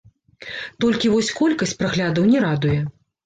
Толькі вось колькасць праглядаў не радуе.